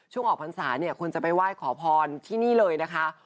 ช่วงออกภาษาควรจะไปไหว้ขอพรที่นี่เลยนะคะ